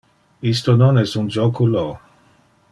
Isto non es un joculo!